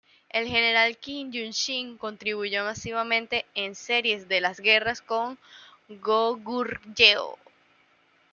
El general Kim Yu-shin contribuyó masivamente en series de las guerras con Goguryeo.